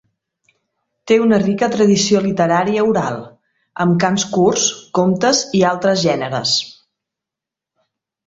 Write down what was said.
Té una rica tradició literària oral, amb cants curts, comtes i altres gèneres.